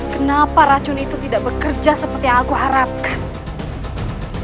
dan aku yakin rai harasantang bisa rohani